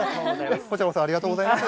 ありがとうございます。